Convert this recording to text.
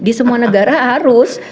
di semua negara harus